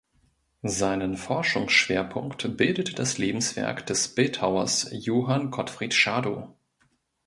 Seinen Forschungsschwerpunkt bildete das Lebenswerk des Bildhauers Johann Gottfried Schadow.